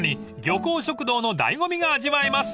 漁港食堂の醍醐味が味わえます］